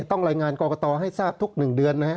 ต้องรายงานกรกตให้ทราบทุก๑เดือนนะฮะ